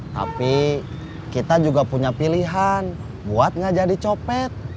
tapi kita juga punya pilihan buat nggak jadi copet